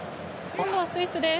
今度はスイスです。